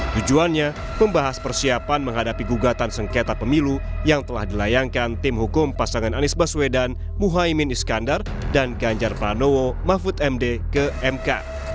tujuannya membahas persiapan menghadapi gugatan sengketa pemilu yang telah dilayangkan tim hukum pasangan anies baswedan muhaymin iskandar dan ganjar pranowo mahfud md ke mk